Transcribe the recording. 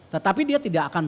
tetapi dia tidak akan